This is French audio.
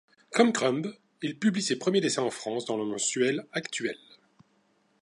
Comme Crumb, il publie ses premiers dessins en France dans le mensuel Actuel.